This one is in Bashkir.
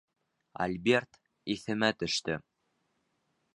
Альберт иҫемә төштө.